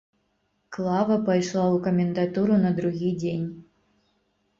Клава пайшла ў камендатуру на другі дзень.